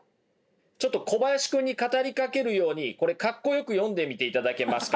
ちょっと小林くんに語りかけるように格好よく読んでみていただけますか？